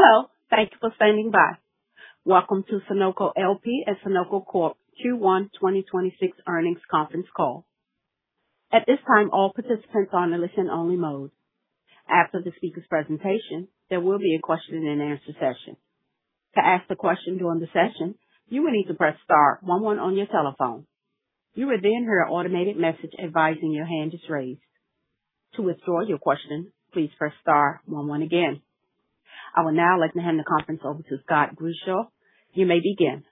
Hello. Thank you for standing by. Welcome to Sunoco LP at SunocoCorp Q1 2026 earnings conference call. At this time, all participants are on listen-only mode. After the speaker's presentation, there will be a question-and-answer session. To ask the question during the session, you will need to press star one one on your telephone. You will then hear an automated message advising your hand is raised. To withdraw your question, please press star one one again. I will now like to hand the conference over to Scott Grischow. You may begin.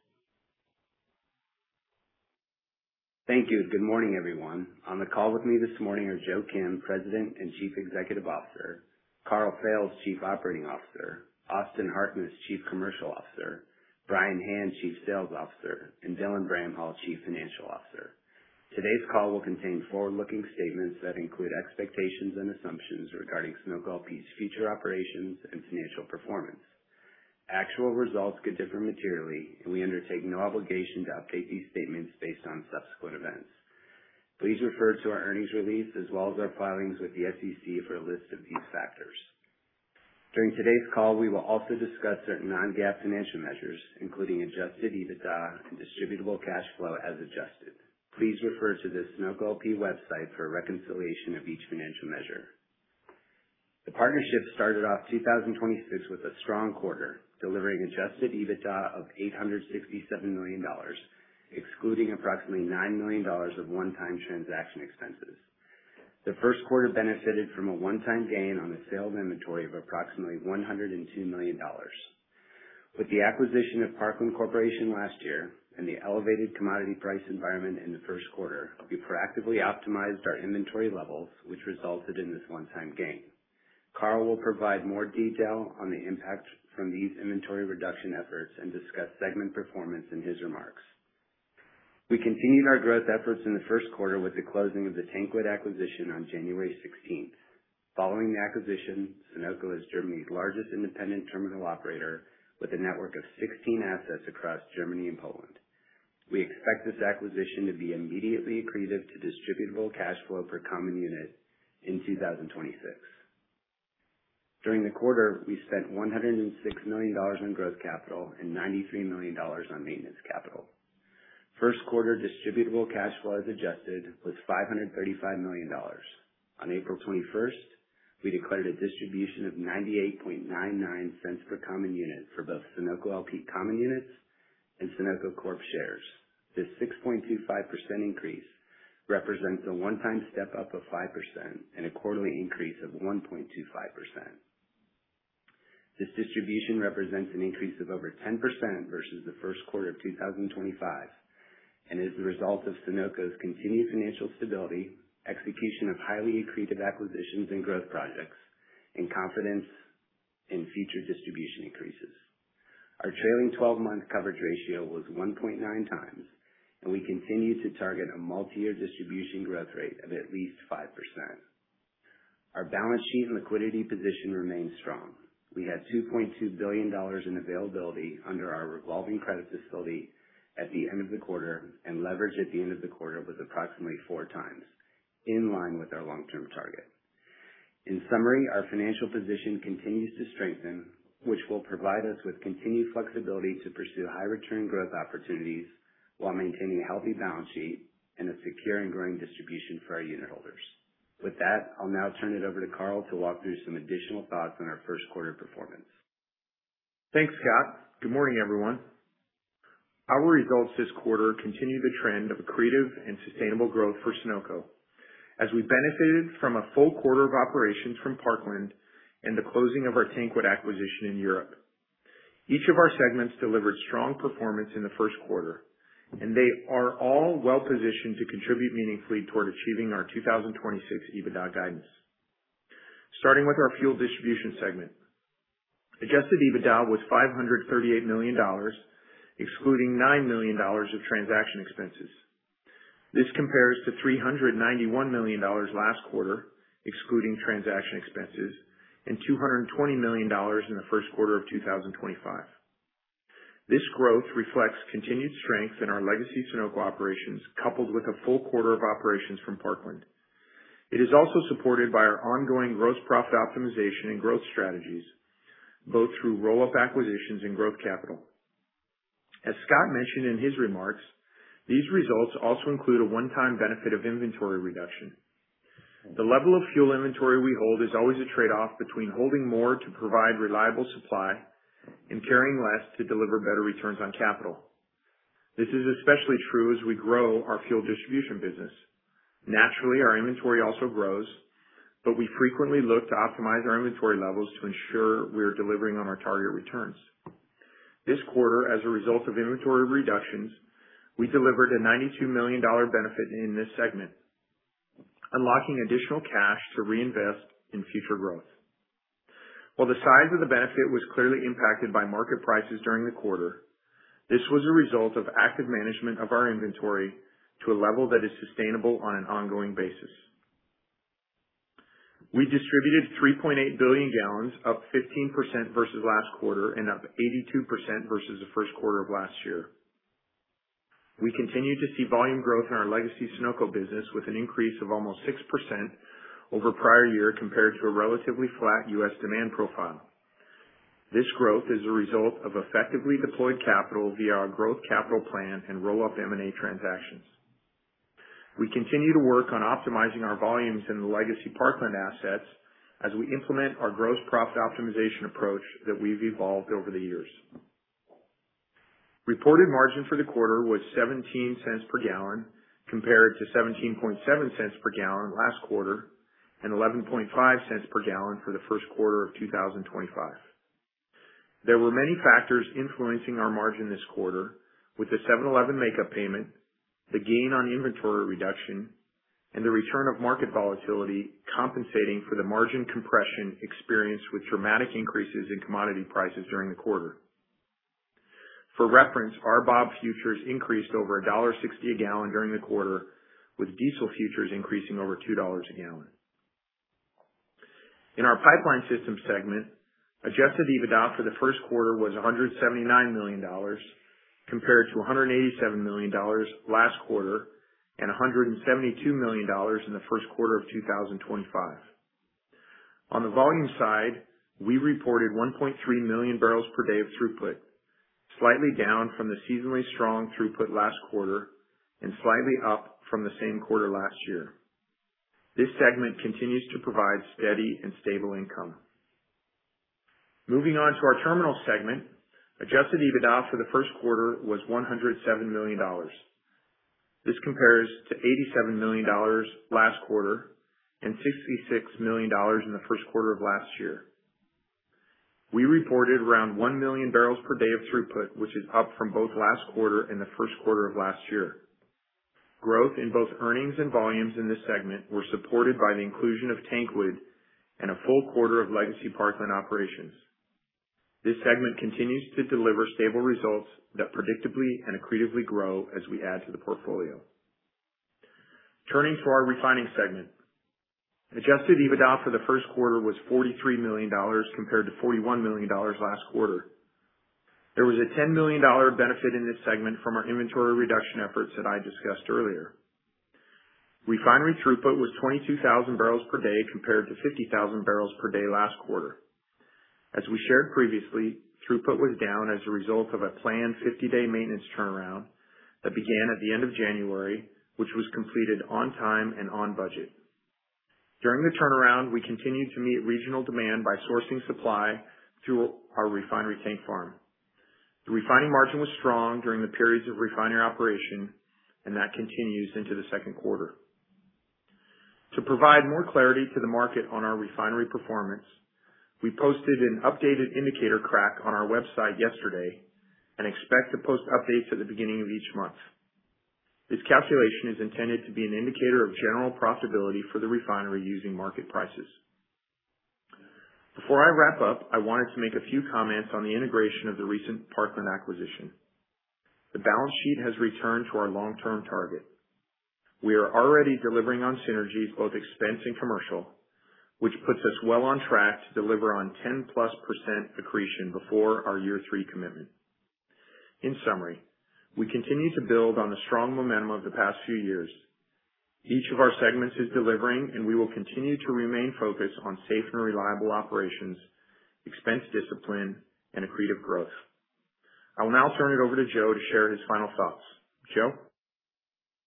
Thank you. Good morning, everyone. On the call with me this morning are Joseph Kim, President and Chief Executive Officer, Karl Fails, Chief Operating Officer, Austin Harkness, Chief Commercial Officer, Brian Hand, Chief Sales Officer, and Dylan Bramhall, Chief Financial Officer. Today's call will contain forward-looking statements that include expectations and assumptions regarding Sunoco LP's future operations and financial performance. Actual results could differ materially, and we undertake no obligation to update these statements based on subsequent events. Please refer to our earnings release as well as our filings with the SEC for a list of these factors. During today's call, we will also discuss certain non-GAAP financial measures, including Adjusted EBITDA and Distributable Cash Flow as adjusted. Please refer to the Sunoco LP website for a reconciliation of each financial measure. The partnership started off 2026 with a strong quarter, delivering Adjusted EBITDA of $867 million, excluding approximately $9 million of one-time transaction expenses. The first quarter benefited from a one-time gain on the sale of inventory of approximately $102 million. With the acquisition of Parkland Corporation last year and the elevated commodity price environment in the first quarter, we proactively optimized our inventory levels, which resulted in this one-time gain. Karl will provide more detail on the impact from these inventory reduction efforts and discuss segment performance in his remarks. We continued our growth efforts in the first quarter with the closing of the TanQuid acquisition on January 16th. Following the acquisition, Sunoco is Germany's largest independent terminal operator with a network of 16 assets across Germany and Poland. We expect this acquisition to be immediately accretive to distributable cash flow per common unit in 2026. During the quarter, we spent $106 million on growth capital and $93 million on maintenance capital. First quarter distributable cash flow as adjusted was $535 million. On April 21st, we declared a distribution of $0.9899 per common unit for both Sunoco LP common units and SunocoCorp shares. This 6.25% increase represents a one-time step up of 5% and a quarterly increase of 1.25%. This distribution represents an increase of over 10% versus the first quarter of 2025 and is the result of Sunoco's continued financial stability, execution of highly accretive acquisitions and growth projects, and confidence in future distribution increases. Our trailing twelve-month coverage ratio was 1.9x. We continue to target a multi-year distribution growth rate of at least 5%. Our balance sheet and liquidity position remains strong. We had $2.2 billion in availability under our revolving credit facility at the end of the quarter. Leverage at the end of the quarter was approximately 4x, in line with our long-term target. In summary, our financial position continues to strengthen, which will provide us with continued flexibility to pursue high return growth opportunities while maintaining a healthy balance sheet and a secure and growing distribution for our unitholders. With that, I'll now turn it over to Karl to walk through some additional thoughts on our first quarter performance. Thanks, Scott. Good morning, everyone. Our results this quarter continue the trend of accretive and sustainable growth for Sunoco as we benefited from a full quarter of operations from Parkland and the closing of our TanQuid acquisition in Europe. Each of our segments delivered strong performance in the first quarter. They are all well-positioned to contribute meaningfully toward achieving our 2026 EBITDA guidance. Starting with our Fuel Distribution segment, Adjusted EBITDA was $538 million, excluding $9 million of transaction expenses. This compares to $391 million last quarter, excluding transaction expenses, and $220 million in the first quarter of 2025. This growth reflects continued strength in our legacy Sunoco operations, coupled with a full quarter of operations from Parkland. It is also supported by our ongoing gross profit optimization and growth strategies, both through roll-up acquisitions and growth capital. As Scott mentioned in his remarks, these results also include a one-time benefit of inventory reduction. The level of fuel inventory we hold is always a trade-off between holding more to provide reliable supply and carrying less to deliver better returns on capital. This is especially true as we grow our fuel distribution business. Naturally, our inventory also grows, but we frequently look to optimize our inventory levels to ensure we are delivering on our target returns. This quarter, as a result of inventory reductions, we delivered a $92 million benefit in this segment, unlocking additional cash to reinvest in future growth. While the size of the benefit was clearly impacted by market prices during the quarter, this was a result of active management of our inventory to a level that is sustainable on an ongoing basis. We distributed 3.8 billion gallons, up 15% versus last quarter and up 82% versus the first quarter of last year. We continue to see volume growth in our legacy Sunoco business with an increase of almost 6% over prior year compared to a relatively flat U.S. demand profile. This growth is a result of effectively deployed capital via our growth capital plan and roll-up M&A transactions. We continue to work on optimizing our volumes in the legacy Parkland assets as we implement our gross profit optimization approach that we've evolved over the years. Reported margin for the quarter was $0.17 per gallon, compared to $0.177 per gallon last quarter, and $0.115 per gallon for the first quarter of 2025. There were many factors influencing our margin this quarter with the 7-Eleven makeup payment, the gain on inventory reduction, and the return of market volatility compensating for the margin compression experienced with dramatic increases in commodity prices during the quarter. For reference, RBOB futures increased over $1.60 a gallon during the quarter, with diesel futures increasing over $2 a gallon. In our Pipeline Systems segment, Adjusted EBITDA for the first quarter was $179 million, compared to $187 million last quarter and $172 million in the first quarter of 2025. On the volume side, we reported 1.3 million barrels per day of throughput, slightly down from the seasonally strong throughput last quarter and slightly up from the same quarter last year. This segment continues to provide steady and stable income. Moving on to our Terminal segment, Adjusted EBITDA for the first quarter was $107 million. This compares to $87 million last quarter and $66 million in the first quarter of last year. We reported around 1 million barrels per day of throughput, which is up from both last quarter and the first quarter of last year. Growth in both earnings and volumes in this segment were supported by the inclusion of TanQuid and a full quarter of legacy Parkland operations. This segment continues to deliver stable results that predictably and accretively grow as we add to the portfolio. Turning to our Refining segment. Adjusted EBITDA for the first quarter was $43 million compared to $41 million last quarter. There was a $10 million benefit in this segment from our inventory reduction efforts that I discussed earlier. Refinery throughput was 22,000 barrels per day compared to 50,000 barrels per day last quarter. As we shared previously, throughput was down as a result of a planned 50-day maintenance turnaround that began at the end of January, which was completed on time and on budget. During the turnaround, we continued to meet regional demand by sourcing supply through our refinery tank farm. The refining margin was strong during the periods of refinery operation and that continues into the second quarter. To provide more clarity to the market on our refinery performance, we posted an updated indicator crack on our website yesterday and expect to post updates at the beginning of each month. This calculation is intended to be an indicator of general profitability for the refinery using market prices. Before I wrap up, I wanted to make a few comments on the integration of the recent Parkland acquisition. The balance sheet has returned to our long-term target. We are already delivering on synergies, both expense and commercial, which puts us well on track to deliver on 10%+ accretion before our year three commitment. In summary, we continue to build on the strong momentum of the past few years. Each of our segments is delivering, and we will continue to remain focused on safe and reliable operations, expense discipline, and accretive growth. I will now turn it over to Joe to share his final thoughts. Joe?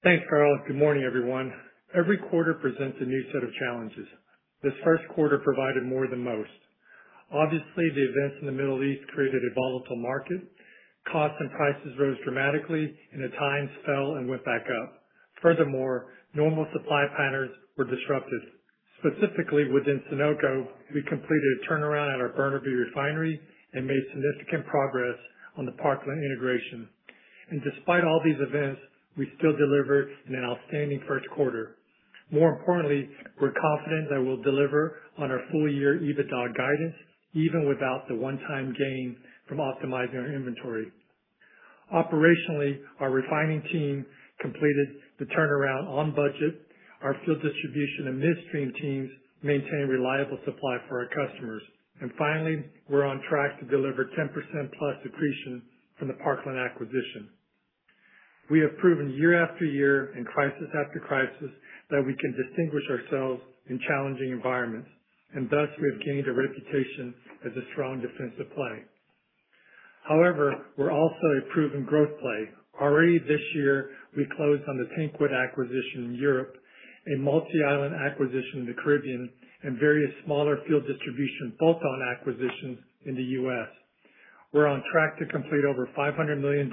Thanks, Karl. Good morning, everyone. Every quarter presents a new set of challenges. This first quarter provided more than most. Obviously, the events in the Middle East created a volatile market. Costs and prices rose dramatically, and at times fell and went back up. Furthermore, normal supply patterns were disrupted. Specifically within Sunoco, we completed a turnaround at our Burnaby Refinery and made significant progress on the Parkland integration. Despite all these events, we still delivered an outstanding first quarter. More importantly, we're confident that we'll deliver on our full-year EBITDA guidance, even without the one-time gain from optimizing our inventory. Operationally, our refining team completed the turnaround on budget. Our fuel distribution and midstream teams maintained reliable supply for our customers. Finally, we're on track to deliver 10%+ accretion from the Parkland acquisition. We have proven year after year in crisis after crisis that we can distinguish ourselves in challenging environments, and thus we have gained a reputation as a strong defensive play. However, we are also a proven growth play. Already this year, we closed on the TanQuid acquisition in Europe, a multi-island acquisition in the Caribbean, and various smaller fuel distribution bolt-on acquisitions in the U.S. We are on track to complete over $500 million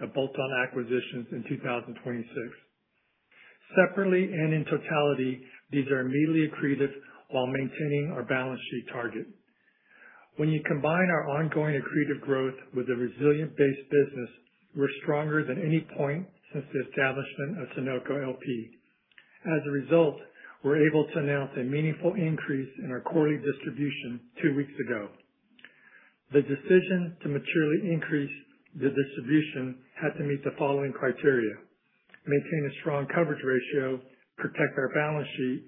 of bolt-on acquisitions in 2026. Separately and in totality, these are immediately accretive while maintaining our balance sheet target. When you combine our ongoing accretive growth with a resilient base business, we are stronger than any point since the establishment of Sunoco LP. As a result, we are able to announce a meaningful increase in our quarterly distribution two weeks ago. The decision to materially increase the distribution had to meet the following criteria. Maintain a strong coverage ratio, protect our balance sheet,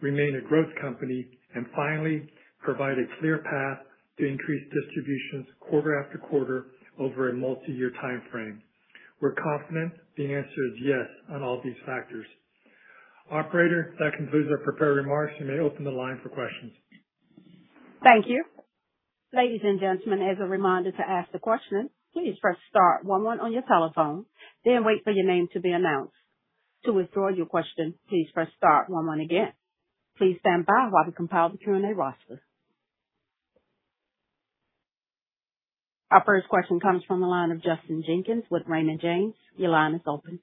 remain a growth company, and finally, provide a clear path to increase distributions quarter after quarter over a multiyear timeframe. We're confident the answer is yes on all these factors. Operator, that concludes our prepared remarks. You may open the line for questions. Thank you. Ladies and gentlemen, as a reminder to ask the question, please press star one one on your telephone, then wait for your name to be announced. To withdraw your question, please press star one one again. Please stand by while we compile the Q&A roster. Our first question comes from the line of Justin Jenkins with Raymond James. Your line is open.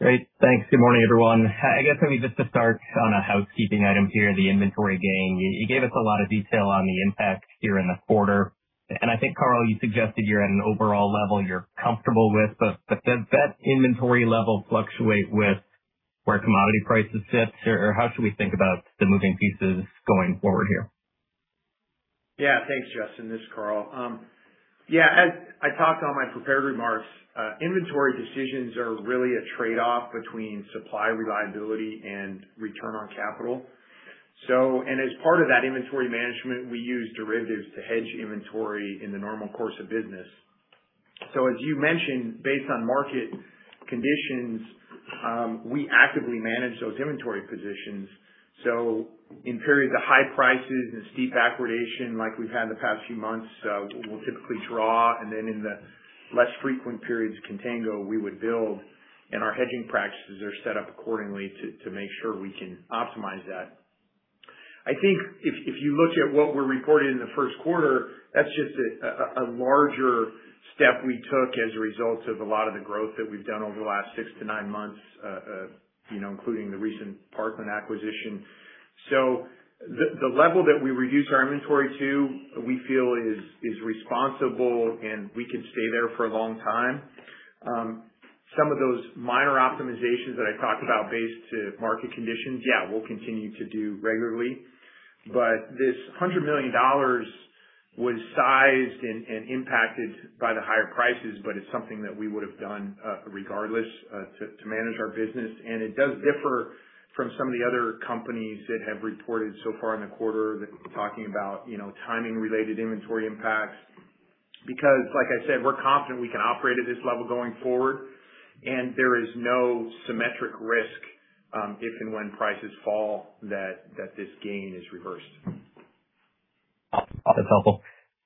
Great. Thanks. Good morning, everyone. I guess, I mean, just to start on a housekeeping item here, the inventory gain. You gave us a lot of detail on the impact here in the quarter. I think, Karl, you suggested you're at an overall level you're comfortable with. Does that inventory level fluctuate with where commodity prices sit? How should we think about the moving pieces going forward here? Yeah. Thanks, Justin. This is Karl. Yeah, as I talked on my prepared remarks, inventory decisions are really a trade-off between supply reliability and return on capital. As part of that inventory management, we use derivatives to hedge inventory in the normal course of business. As you mentioned, based on market conditions, we actively manage those inventory positions. In periods of high prices and steep backwardation like we've had in the past few months, we'll typically draw, and then in the less frequent periods of contango, we would build, and our hedging practices are set up accordingly to make sure we can optimize that. I think if you looked at what we're reporting in the first quarter, that's just a larger step we took as a result of a lot of the growth that we've done over the last six to nine months, you know, including the recent Parkland acquisition. The level that we reduce our inventory to, we feel is responsible, and we can stay there for a long time. Some of those minor optimizations that I talked about based on market conditions, yeah, we'll continue to do regularly. This $100 million was sized and impacted by the higher prices, but it's something that we would have done regardless to manage our business. It does differ from some of the other companies that have reported so far in the quarter that were talking about, you know, timing-related inventory impacts. Like I said, we're confident we can operate at this level going forward, and there is no symmetric risk if and when prices fall that this gain is reversed. That's helpful.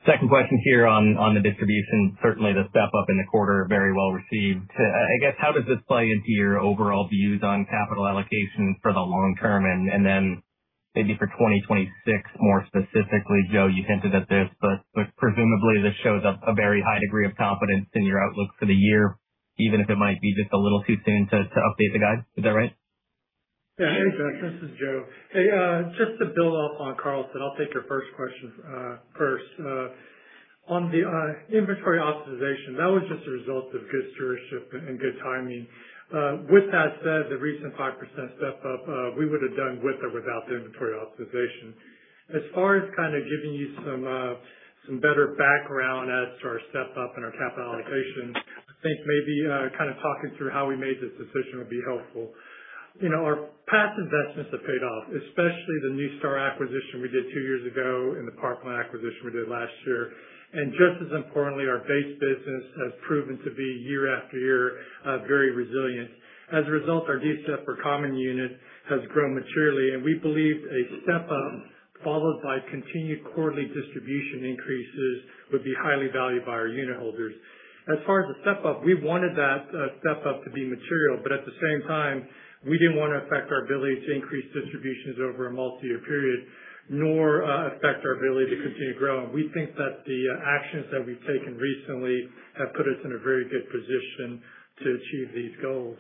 Second question here on the distribution. Certainly the step up in the quarter, very well received. I guess, how does this play into your overall views on capital allocation for the long term? Then maybe for 2026, more specifically. Joseph Kim, you hinted at this, but presumably this shows a very high degree of confidence in your outlook for the year, even if it might be just a little too soon to update the guide. Is that right? Yeah. Hey, Justin, this is Joe. Hey, just to build off on Karl's, and I'll take your first question, first. On the inventory optimization, that was just a result of good stewardship and good timing. With that said, the recent 5% step up, we would have done with or without the inventory optimization. As far as kind of giving you some better background as to our step up and our capital allocation, I think maybe kind of talking through how we made this decision would be helpful. You know, our past investments have paid off, especially the NuStar acquisition we did two years ago and the Parkland acquisition we did last year. Just as importantly, our base business has proven to be year after year, very resilient. Our DCF per common unit has grown materially, and we believe a step up followed by continued quarterly distribution increases would be highly valued by our unit holders. The step up, we wanted that step up to be material, but at the same time, we didn't want to affect our ability to increase distributions over a multiyear period, nor affect our ability to continue growing. We think that the actions that we've taken recently have put us in a very good position to achieve these goals.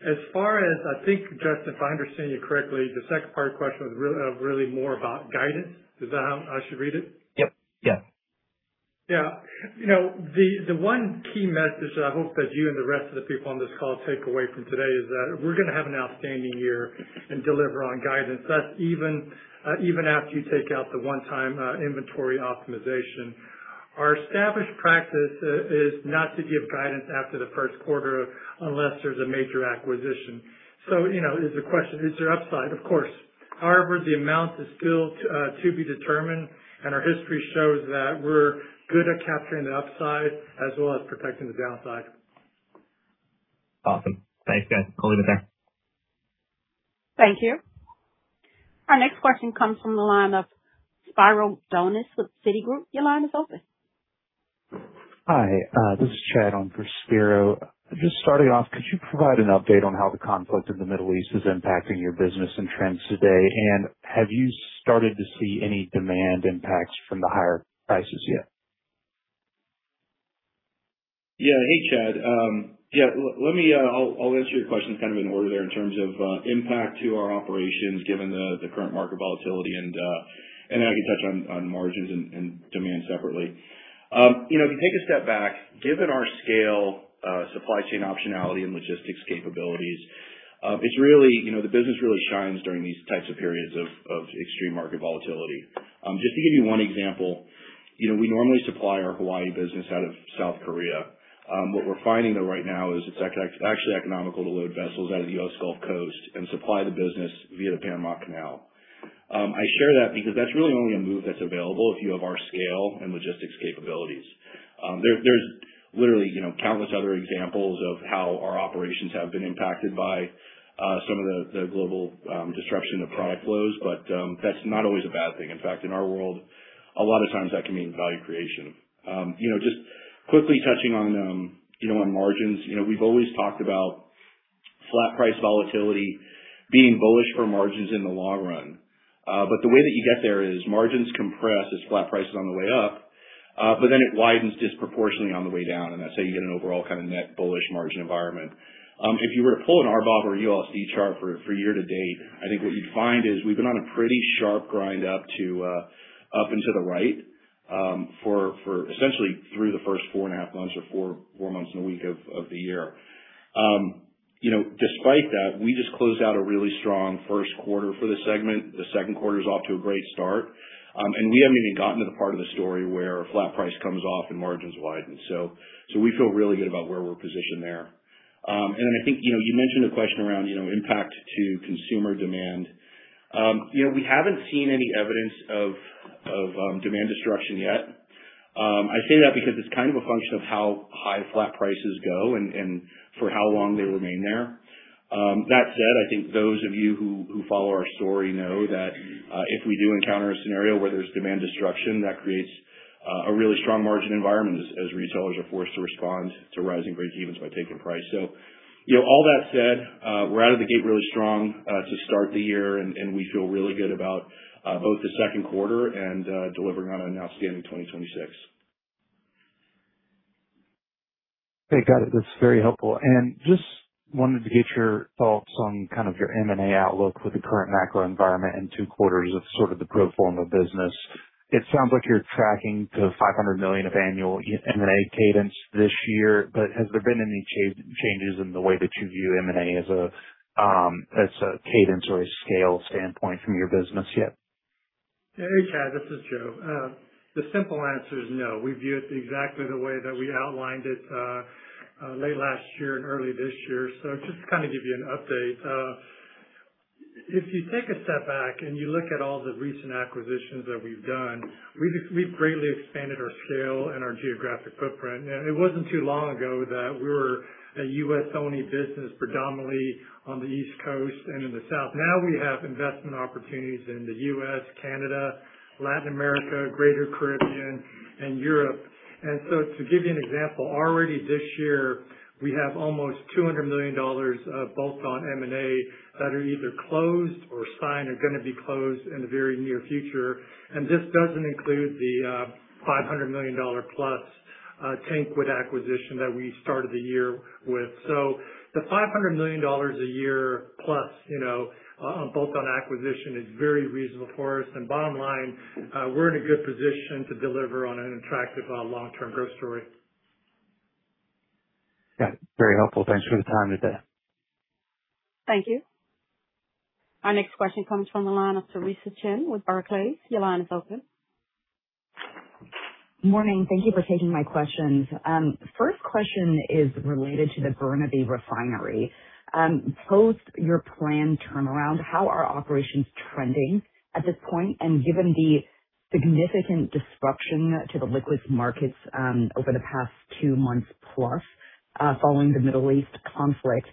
I think, Justin, if I understand you correctly, the second part of the question was really more about guidance. Is that how I should read it? Yep. Yeah. You know, the one key message that I hope that you and the rest of the people on this call take away from today is that we're gonna have an outstanding year and deliver on guidance. That's even after you take out the one-time inventory optimization. Our established practice is not to give guidance after the first quarter unless there's a major acquisition. You know, is the question, is there upside? Of course. However, the amount is still to be determined, and our history shows that we're good at capturing the upside as well as protecting the downside. Awesome. Thanks, guys. I'll leave it there. Thank you. Our next question comes from the line of Spiro Dounis with Citi. Your line is open. Hi. This is Chad on for Spiro. Just starting off, could you provide an update on how the conflict in the Middle East is impacting your business and trends today? Have you started to see any demand impacts from the higher prices yet? Yeah. Hey, Chad. Yeah, I'll answer your question kind of in order there in terms of impact to our operations given the current market volatility. I can touch on margins and demand separately. You know, if you take a step back, given our scale, supply chain optionality and logistics capabilities. It's really, you know, the business really shines during these types of periods of extreme market volatility. Just to give you one example, you know, we normally supply our Hawaii business out of South Korea. What we're finding though right now is it's actually economical to load vessels out of the U.S. Gulf Coast and supply the business via the Panama Canal. I share that because that's really only a move that's available if you have our scale and logistics capabilities. There's literally, you know, countless other examples of how our operations have been impacted by some of the global disruption of product flows, but that's not always a bad thing. In fact, in our world, a lot of times that can mean value creation. You know, just quickly touching on, you know, on margins. You know, we've always talked about flat price volatility being bullish for margins in the long run. But the way that you get there is margins compress as flat price is on the way up, but then it widens disproportionately on the way down. That's how you get an overall kind of net bullish margin environment. If you were to pull an RBOB or ULSD chart for year-to-date, I think what you'd find is we've been on a pretty sharp grind up to up and to the right, for essentially through the first four and a half months or four months and a week of the year. You know, despite that, we just closed out a really strong first quarter for the segment. The second quarter is off to a great start. We haven't even gotten to the part of the story where flat price comes off and margins widen. We feel really good about where we're positioned there. Then I think, you know, you mentioned the question around, you know, impact to consumer demand. You know, we haven't seen any evidence of demand destruction yet. I say that because it's kind of a function of how high flat prices go and for how long they remain there. That said, I think those of you who follow our story know that if we do encounter a scenario where there's demand destruction, that creates a really strong margin environment as retailers are forced to respond to rising breakevens by taking price. You know, all that said, we're out of the gate really strong to start the year and we feel really good about both the second quarter and delivering on our announced ending 2026. Okay, got it. That's very helpful. Just wanted to get your thoughts on kind of your M&A outlook with the current macro environment and two quarters of sort of the pro forma business. It sounds like you're tracking to $500 million of annual M&A cadence this year, but has there been any changes in the way that you view M&A as a cadence or a scale standpoint from your business yet? Hey, Chad, this is Joe. The simple answer is no. We view it exactly the way that we outlined it late last year and early this year. Just to kind of give you an update. If you take a step back and you look at all the recent acquisitions that we've done, we've greatly expanded our scale and our geographic footprint. It wasn't too long ago that we were a U.S.-only business, predominantly on the East Coast and in the South. Now we have investment opportunities in the U.S., Canada, Latin America, Greater Caribbean, and Europe. To give you an example, already this year, we have almost $200 million of bolt-on M&A that are either closed or signed or gonna be closed in the very near future. This doesn't include the $500 million+ TanQuid acquisition that we started the year with. The $500 million+ a year, you know, bolt-on acquisition is very reasonable for us. Bottom line, we're in a good position to deliver on an attractive long-term growth story. Yeah, very helpful. Thanks for the time today. Thank you. Our next question comes from the line of Theresa Chen with Barclays. Your line is open. Morning. Thank you for taking my questions. First question is related to the Burnaby Refinery. Post your planned turnaround, how are operations trending at this point? Given the significant disruption to the liquids markets, over the past two+ months, following the Middle East conflict,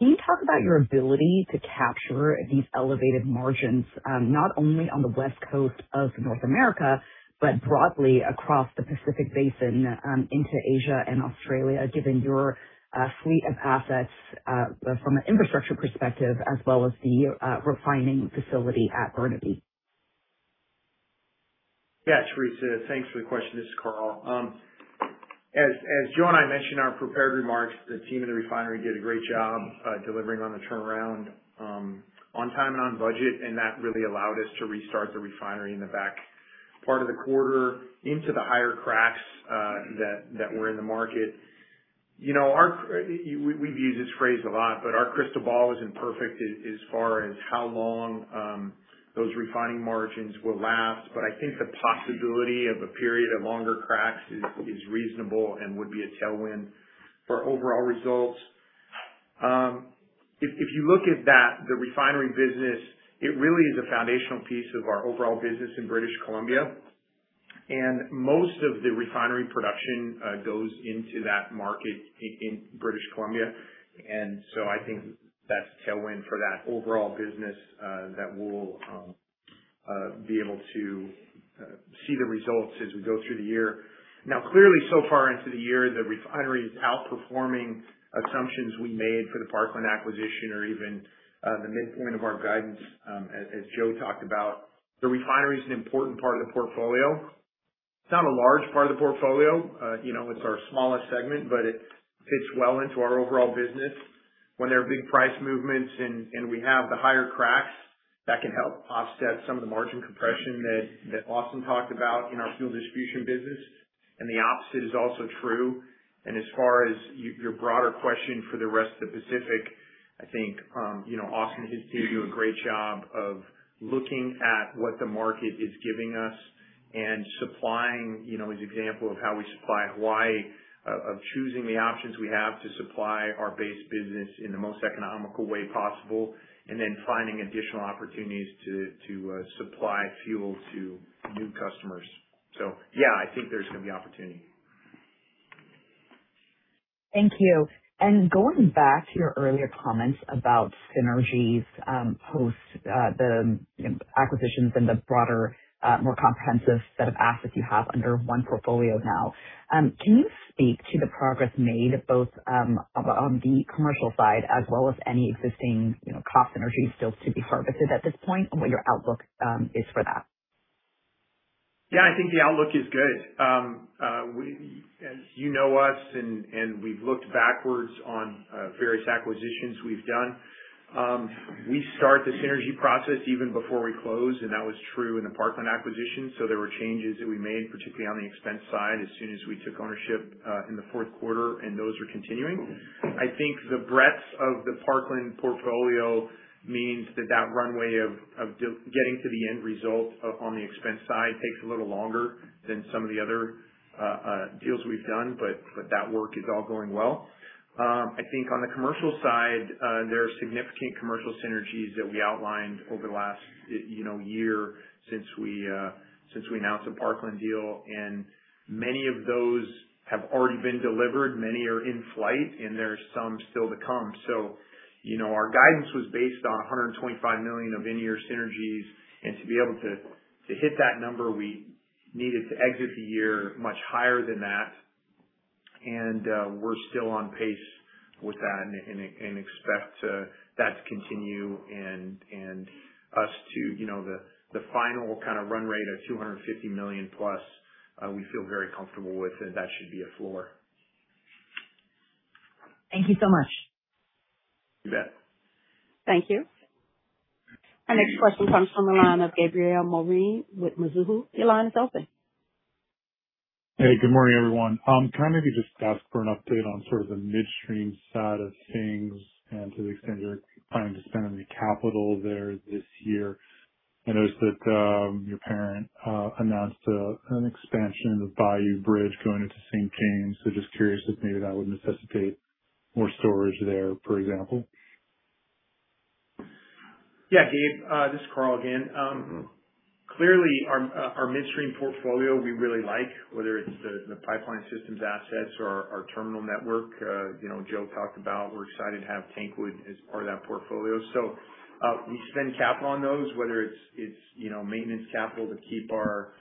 can you talk about your ability to capture these elevated margins, not only on the West Coast of North America, but broadly across the Pacific Basin, into Asia and Australia, given your fleet of assets from an infrastructure perspective as well as the refining facility at Burnaby? Yeah, Theresa. Thanks for the question. This is Karl. As Joe and I mentioned in our prepared remarks, the team in the refinery did a great job delivering on the turnaround on time and on budget, and that really allowed us to restart the refinery in the back part of the quarter into the higher cracks that were in the market. You know, our we've used this phrase a lot, but our crystal ball isn't perfect as far as how long those refining margins will last. I think the possibility of a period of longer cracks is reasonable and would be a tailwind for overall results. If, if you look at that, the refinery business, it really is a foundational piece of our overall business in British Columbia, and most of the refinery production goes into that market in British Columbia. I think that's a tailwind for that overall business that we'll be able to see the results as we go through the year. Now, clearly, so far into the year, the refinery is outperforming assumptions we made for the Parkland acquisition or even the midpoint of our guidance, as Joe talked about. The refinery is an important part of the portfolio. It's not a large part of the portfolio. You know, it's our smallest segment, but it fits well into our overall business. When there are big price movements and we have the higher cracks, that can help offset some of the margin compression that Austin talked about in our fuel distribution business. The opposite is also true. As far as your broader question for the rest of the Pacific, I think, you know, Austin has continued to do a great job of looking at what the market is giving us and supplying, you know, his example of how we supply Hawaii, of choosing the options we have to supply our base business in the most economical way possible, and then finding additional opportunities to supply fuel to new customers. Yeah, I think there's gonna be opportunity. Thank you. Going back to your earlier comments about synergies, post the, you know, acquisitions and the broader, more comprehensive set of assets you have under one portfolio now. Can you speak to the progress made both on the commercial side as well as any existing, you know, cost synergies still to be harvested at this point and what your outlook is for that? Yeah, I think the outlook is good. As you know us and we've looked backwards on various acquisitions we've done. We start the synergy process even before we close, and that was true in the Parkland acquisition. There were changes that we made, particularly on the expense side, as soon as we took ownership in the fourth quarter, and those are continuing. I think the breadth of the Parkland portfolio means that that runway of getting to the end result on the expense side takes a little longer than some of the other deals we've done, but that work is all going well. I think on the commercial side, there are significant commercial synergies that we outlined over the last, you know, year since we, since we announced the Parkland deal, and many of those have already been delivered, many are in flight, and there are some still to come. Our guidance was based on $125 million of in-year synergies. To be able to hit that number, we needed to exit the year much higher than that. We're still on pace with that and expect that to continue and us to, you know, the final kind of run rate of $250 million+, we feel very comfortable with, that should be a floor. Thank you so much. You bet. Thank you. Our next question comes from the line of Gabriel Moreen with Mizuho. Your line is open. Hey, good morning, everyone. Can I maybe just ask for an update on sort of the midstream side of things and to the extent you're planning to spend any capital there this year? I noticed that your parent announced an expansion of Bayou Bridge going into St. James. Just curious if maybe that would necessitate more storage there, for example. Gabe, this is Karl again. Clearly our midstream portfolio, we really like, whether it's the pipeline systems assets or our terminal network. You know, Joe talked about we're excited to have TanQuid as part of that portfolio. We spend capital on those, whether it's, you know, maintenance capital to keep our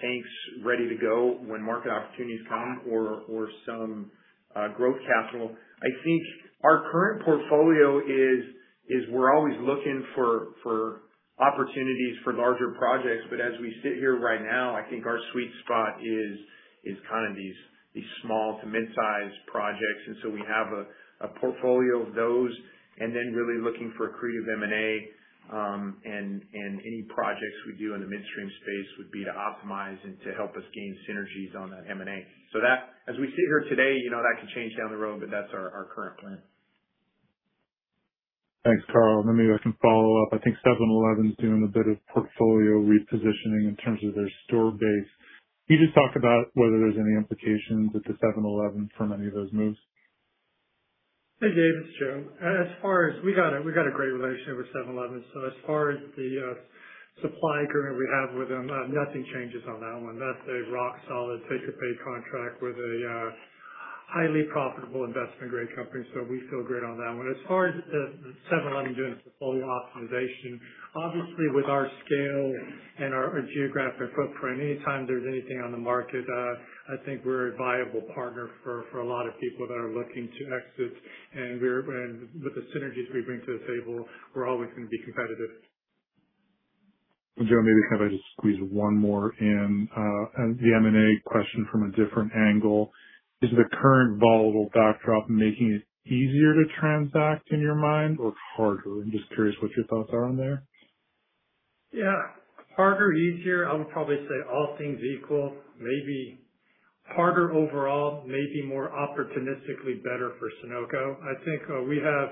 tanks ready to go when market opportunities come or some growth capital. I think our current portfolio is we're always looking for opportunities for larger projects. As we sit here right now, I think our sweet spot is kind of these small to mid-sized projects. We have a portfolio of those and really looking for accretive M&A. Any projects we do in the midstream space would be to optimize and to help us gain synergies on that M&A. As we sit here today, you know, that could change down the road, but that's our current plan. Thanks, Karl. I can follow up. I think 7-Eleven is doing a bit of portfolio repositioning in terms of their store base. Can you just talk about whether there's any implications with the 7-Eleven from any of those moves? Hey, Gabe, it's Joe. We got a great relationship with 7-Eleven. As far as the supply agreement we have with them, nothing changes on that one. That's a rock solid take-or-pay contract with a highly profitable investment-grade company. We feel great on that one. As far as the 7-Eleven doing its portfolio optimization, obviously with our scale and our geographic footprint, anytime there's anything on the market, I think we're a viable partner for a lot of people that are looking to exit. With the synergies we bring to the table, we're always gonna be competitive. Joe, maybe can I just squeeze one more in on the M&A question from a different angle. Is the current volatile backdrop making it easier to transact in your mind or harder? I'm just curious what your thoughts are on there. Yeah, harder, easier. I would probably say all things equal, maybe harder overall, maybe more opportunistically better for Sunoco. I think, we have,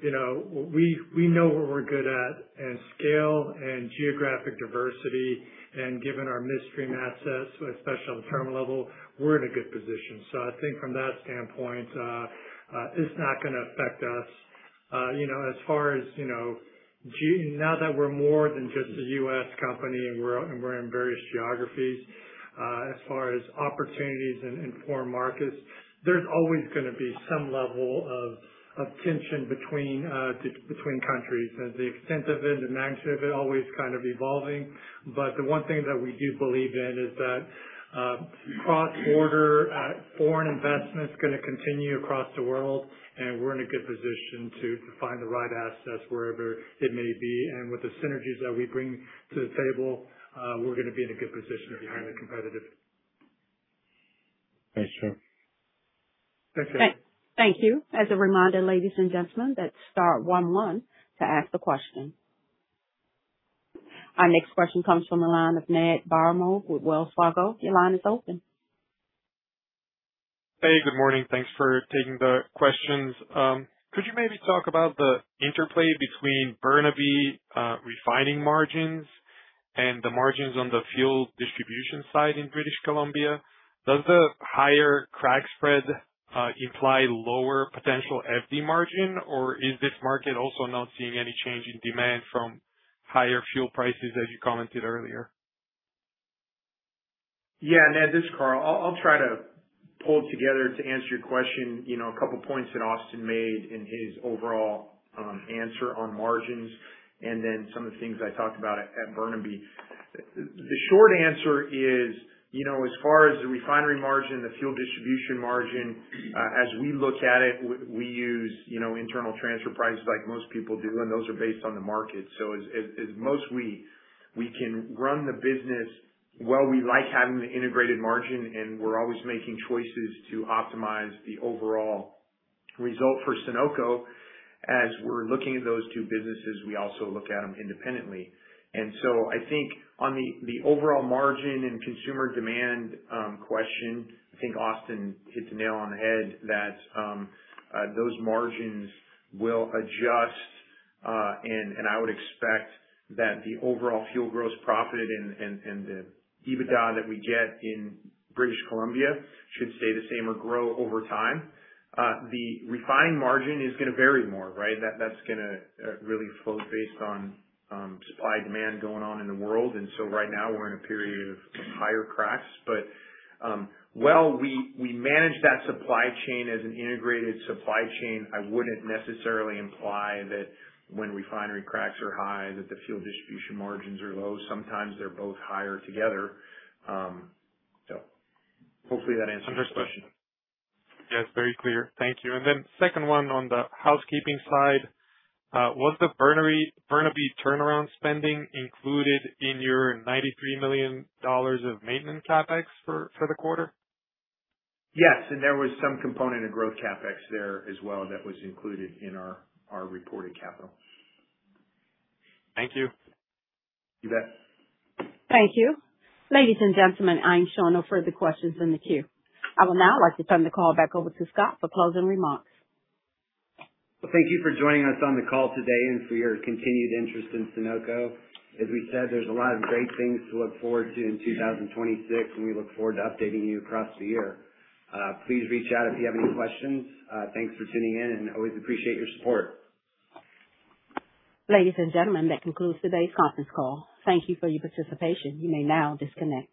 you know, we know what we're good at and scale and geographic diversity. Given our midstream assets, especially on the terminal level, we're in a good position. I think from that standpoint, it's not gonna affect us. You know, as far as, you know, now that we're more than just a U.S. company and we're in various geographies, as far as opportunities in foreign markets, there's always gonna be some level of tension between countries. The extent of it and the magnitude of it always kind of evolving. The one thing that we do believe in is that cross-border foreign investment's gonna continue across the world, and we're in a good position to find the right assets wherever it may be. With the synergies that we bring to the table, we're gonna be in a good position to be highly competitive. Thanks, Joe. Thank you. As a reminder, ladies and gentlemen, that's star one one to ask the question. Our next question comes from the line of Ned Baramov with Wells Fargo. Your line is open. Hey, good morning. Thanks for taking the questions. Could you maybe talk about the interplay between Burnaby, refining margins and the margins on the fuel distribution side in British Columbia? Does the higher crack spread imply lower potential FD margin? Is this market also not seeing any change in demand from higher fuel prices, as you commented earlier? Yeah, Ned, this is Karl. I'll try to pull it together to answer your question. You know, a couple points that Austin made in his overall answer on margins and then some of the things I talked about at Burnaby. The short answer is, you know, as far as the refinery margin, the fuel distribution margin, as we look at it, we use, you know, internal transfer prices like most people do, and those are based on the market. As most we can run the business while we like having the integrated margin, and we're always making choices to optimize the overall result for Sunoco. As we're looking at those two businesses, we also look at them independently. I think on the overall margin and consumer demand question, I think Austin hit the nail on the head that those margins will adjust. I would expect that the overall fuel gross profit and the EBITDA that we get in British Columbia should stay the same or grow over time. The refined margin is gonna vary more, right? That's gonna really float based on supply demand going on in the world. Right now we're in a period of higher cracks. While we manage that supply chain as an integrated supply chain, I wouldn't necessarily imply that when refinery cracks are high, that the fuel distribution margins are low. Sometimes they're both higher together. Hopefully that answers your question. Understood. Yes, very clear. Thank you. Second one on the housekeeping side. Was the Burnaby turnaround spending included in your $93 million of maintenance CapEx for the quarter? Yes. There was some component of growth CapEx there as well that was included in our reported capital. Thank you. You bet. Thank you. Ladies and gentlemen, I am showing no further questions in the queue. I will now like to turn the call back over to Scott for closing remarks. Well, thank you for joining us on the call today and for your continued interest in Sunoco. As we said, there's a lot of great things to look forward to in 2026, and we look forward to updating you across the year. Please reach out if you have any questions. Thanks for tuning in and always appreciate your support. Ladies and gentlemen, that concludes today's conference call. Thank you for your participation. You may now disconnect.